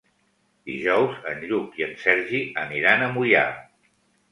Dijous en Lluc i en Sergi aniran a Moià.